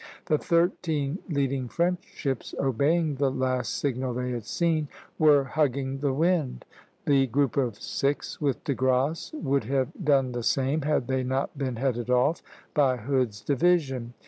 The thirteen leading French ships, obeying the last signal they had seen, were hugging the wind; the group of six with De Grasse (C, e) would have done the same had they not been headed off by Hood's division.